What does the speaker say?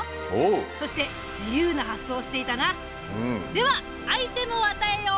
ではアイテムを与えよう。